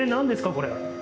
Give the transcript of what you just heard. これ。